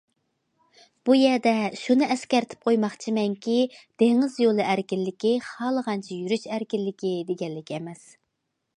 بۇ يەردە شۇنى ئەسكەرتىپ قويماقچىمەنكى، دېڭىز يولى ئەركىنلىكى خالىغانچە يۈرۈش ئەركىنلىكى دېگەنلىك ئەمەس.